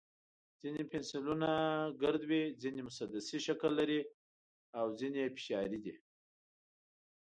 ځینې پنسلونه ګرد وي، ځینې مسدسي شکل لري، او ځینې یې فشاري دي.